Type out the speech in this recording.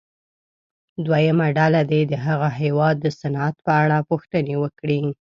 دویمه ډله دې د هغه هېواد د صنعت په اړه پوښتنې وکړي.